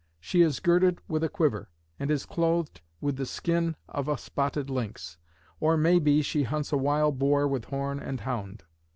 She is girded with a quiver, and is clothed with the skin of a spotted lynx, or, may be, she hunts a wild boar with horn and hound."